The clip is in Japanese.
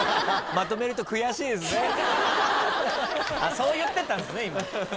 そう言ってたんすね今。